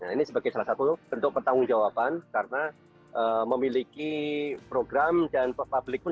nah ini sebagai salah satu bentuk pertanggung jawaban karena memiliki program dan public pun